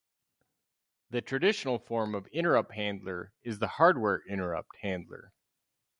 The traditional form of interrupt handler is the hardware interrupt handler.